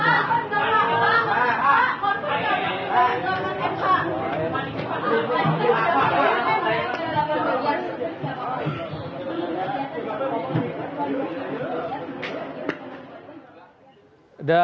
korporasi yang berubah dengan mh